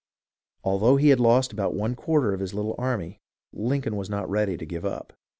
Although he had lost about one quarter of his little army, Lincoln was not ready to give up.